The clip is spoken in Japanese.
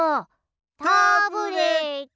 タブレットン！